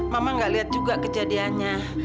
mama gak lihat juga kejadiannya